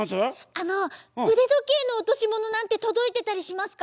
あのうでどけいのおとしものなんてとどいてたりしますか？